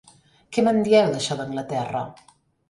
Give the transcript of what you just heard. Què me'n dieu d'això d'Anglaterra?